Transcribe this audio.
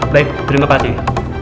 baik terima kasih